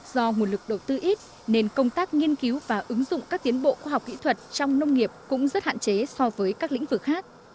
do nguồn lực đầu tư ít nên công tác nghiên cứu và ứng dụng các tiến bộ khoa học kỹ thuật trong nông nghiệp cũng rất hạn chế so với các lĩnh vực khác